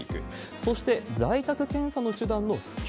そして、在宅検査の手段の普及。